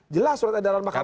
jelas surat edaran makanan